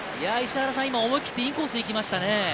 思い切ってインコースに行きましたね。